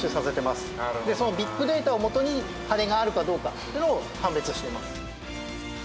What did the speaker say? でそのビッグデータをもとに羽根があるかどうかっていうのを判別しています。